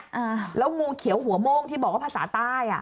อ่าแล้วงูเขียวหัวโม่งที่บอกว่าภาษาใต้อ่ะ